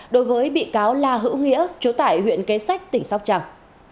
đối với bị cáo la hữu nghĩa chú tải huyện kế sách tỉnh sóc trăng